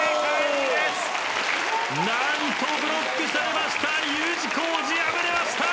何とブロックされました！